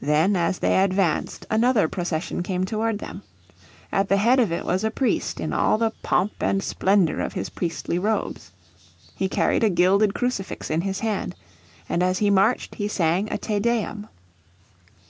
Then as they advanced another procession came toward them. At the head of it was a priest in all the pomp and splendour of his priestly robes. He carried a gilded crucifix in his hand, and as he marched he sang a Te Deum.